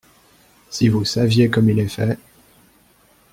Si vous saviez comme il est fait !